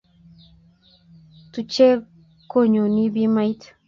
Tuche konnyu bimait